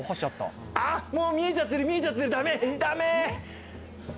あっ、もう見えちゃってる、見えちゃってる駄目！